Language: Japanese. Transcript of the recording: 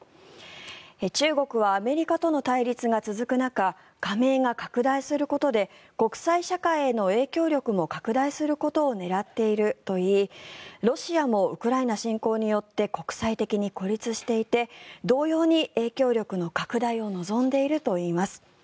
中国はアメリカとの対立が続く中加盟が拡大することで国際社会への影響力を拡大することを狙っているといいロシアもウクライナ侵攻によって国際的に孤立していて同様に影響力の拡大を望んでいるといいます。